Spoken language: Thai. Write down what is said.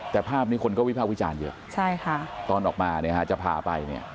แต่ภาพนี้คนก็วิภาควิจารณ์เยอะใช่ค่ะตอนออกมาเนี่ยฮะจะพาไปเนี่ย